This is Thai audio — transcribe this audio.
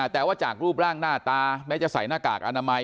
แต่ว่าจากรูปร่างหน้าตาแม้จะใส่หน้ากากอนามัย